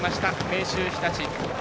明秀日立。